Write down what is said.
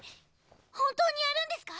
本当にやるんですか？